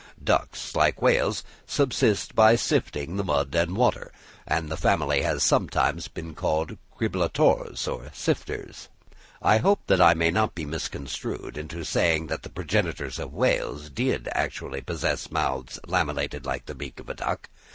Ducks, like whales, subsist by sifting the mud and water; and the family has sometimes been called Criblatores, or sifters. I hope that I may not be misconstrued into saying that the progenitors of whales did actually possess mouths lamellated like the beak of a duck.